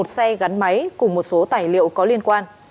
một xe gắn máy cùng một số tài liệu có liên quan